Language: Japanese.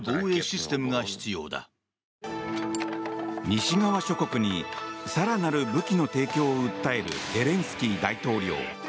西側諸国に更なる武器の提供を訴えるゼレンスキー大統領。